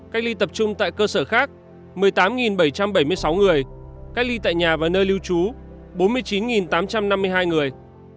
cách ly tập trung tại cơ sở khác một mươi tám bảy trăm bảy mươi sáu người cách ly tại nhà và nơi lưu trú bốn mươi chín tám trăm năm mươi hai người